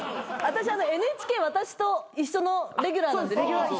私と一緒のレギュラーなんです。